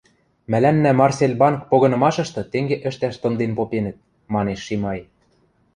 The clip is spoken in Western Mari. — Мӓлӓннӓ Марсельбанк погынымашышты тенге ӹштӓш тымден попенӹт, — манеш Шимай.